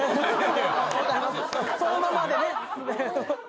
そのままでね。